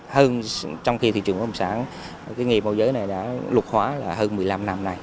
hơn trong khi thị trường công sản cái nghề môi giới này đã lục hóa là hơn một mươi năm năm này